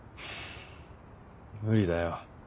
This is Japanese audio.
無理だよ。